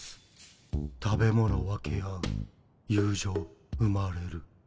食べ物分け合う友情生まれる。